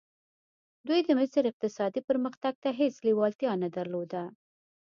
دوی د مصر اقتصادي پرمختګ ته هېڅ لېوالتیا نه درلوده.